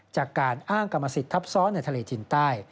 จากการอ้างกรรมสิทธิ์ทับซ้อนในทะเลจีนใต้